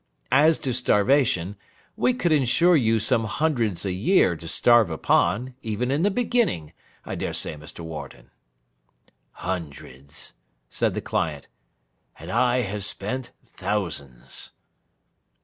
As to starvation, we could ensure you some hundreds a year to starve upon, even in the beginning—I dare say, Mr. Warden.' 'Hundreds,' said the client. 'And I have spent thousands!